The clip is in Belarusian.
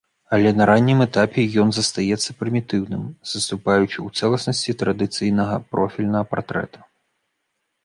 Але на раннім этапе ён застаецца прымітыўным, саступаючы ў цэласнасці традыцыйнага профільнага партрэта.